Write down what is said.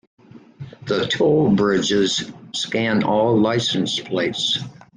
The toll bridges scan all license plates.